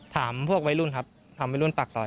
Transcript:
ถามพวกวัยรุ่นครับถามวัยรุ่นปากซอย